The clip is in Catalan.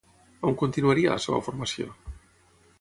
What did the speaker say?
On continuaria la seva formació?